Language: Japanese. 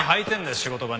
仕事場に。